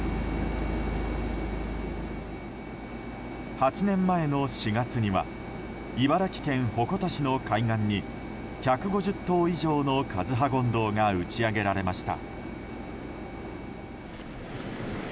８年前の４月には茨城県鉾田市の海岸に１５０頭以上のカズハゴンドウが打ち揚げられました。